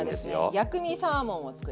薬味サーモンを作ります